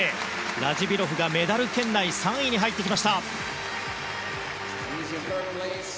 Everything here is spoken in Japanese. ラジビロフがメダル圏内３位に入ってきました。